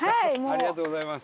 ありがとうございます。